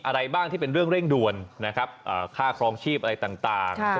อะไรบ้างที่เป็นเรื่องเร่งด่วนนะครับค่าครองชีพอะไรต่าง